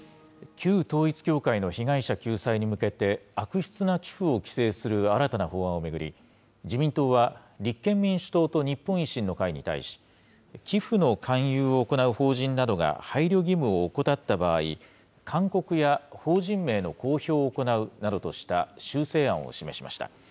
旧統一教会の被害者救済に向けて、悪質な寄付を規制する新たな法案を巡り、自民党は、立憲民主党と日本維新の会に対し、寄付の勧誘を行う法人などが配慮義務を怠った場合、勧告や法人名の公表を行うなどとした修正案を示しました。